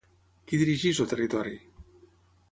Qui dirigeix el territori?